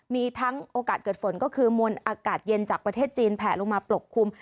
มีทั้งโอกาสเกิดฝนก็คือมวลอากาศเย็นจากประเทศจีนแผลลงมาปกคลุม